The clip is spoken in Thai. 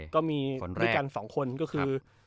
ก็มีด้วยกัน๒คนก็คือ